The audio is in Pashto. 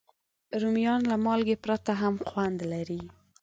رومیان له مالګې پرته هم خوند لري